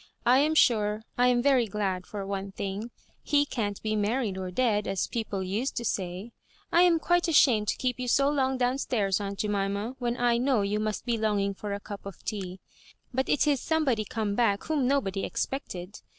I am sure I am very glad for one thing. He can't be married or dead, as peo ple used to say. I am quite ashamed to keep you so long down stairs, aunt Jemima, when I know you must be longing for a cup of tea — ^but it is somebody come back whom nobody ex pected.